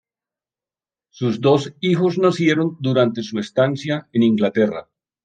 Sus dos hijos nacieron durante su estancia en Inglaterra.